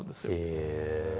へえ。